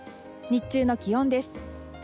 日中の気温です。